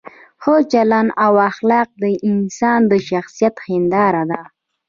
ښه چلند او اخلاق د انسان د شخصیت هنداره ده.